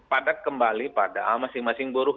padat kembali pada masing masing buruh